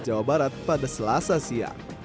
jawa barat pada selasa siang